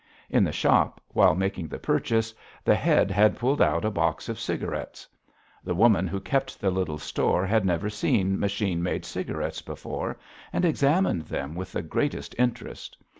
In the shop, while making the purchase, the Head had pulled out a box of cigarettes. The woman who kept the little store had never seen machine made cigarettes before, and examined them with the greatest interest.